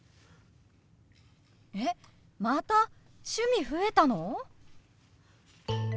えっまた趣味増えたの！？